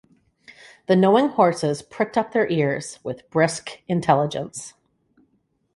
The knowing horses pricked up their ears with brisk intelligence.